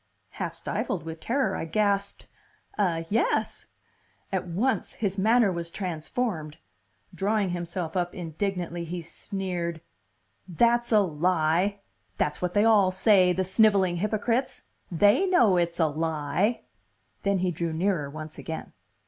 Half stifled with terror, I gasped, "Uh, yes." At once his manner was transformed. Drawing himself up indignantly he sneered "That's a lie! That's what they all say, the sniveling hypocrites! They know it's a lie!" Then he drew nearer once again.